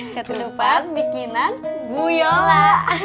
ketupat bikinan bu yola